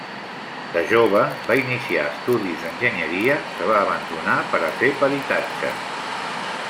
De jove va iniciar estudis d'enginyeria, que va abandonar per a fer peritatge.